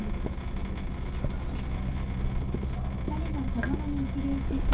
遠野の敵をとらなきゃ。